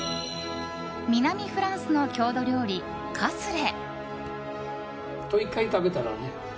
南フランスの郷土料理、カスレ。